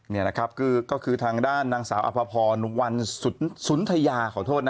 นี่นะครับก็คือทางด้านนางสาวอภพรวันสุนทยาขอโทษนะ